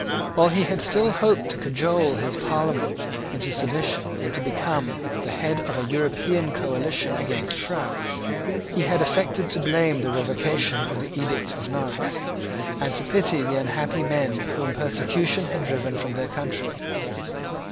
While he had still hoped to cajole his Parliament into submission and to become the head of an European coalition against France, he had affected to blame the revocation of the edict of Nantes, and to pity the unhappy men whom persecution had driven from their country.